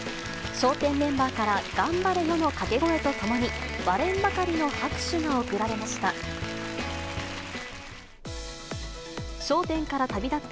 笑点メンバーから頑張れよの掛け声とともに、割れんばかりの拍手が送られました。